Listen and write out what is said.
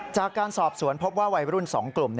จากการสอบสวนพบว่าวัยรุ่น๒กลุ่ม